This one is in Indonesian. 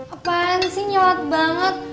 apaan sih nyawat banget